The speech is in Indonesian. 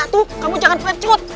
aduh kamu jangan pencut